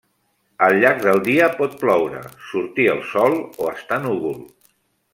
Al llarg del dia pot ploure, sortir el sol o estar núvol.